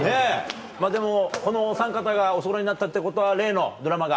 まぁでもこのおさん方がおそろいになったってことは例のドラマが？